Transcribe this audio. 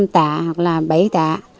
năm tạ hoặc là bảy tạ